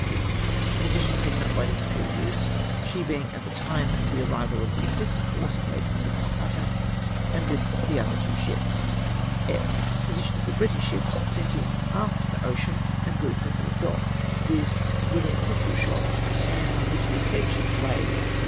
E. The position taken up by the Impe'rieuse, she being at the time of the arrival of the assisting force engaged with the Calcutta, and with the other two ships. F. Position of the British ships sent in after the Ocean and group had warped off, viz. Avithin pistol shot of the sand on which the escaped ships lay till 1 p.